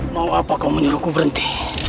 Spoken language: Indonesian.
mau apa kau menyuruhku berhenti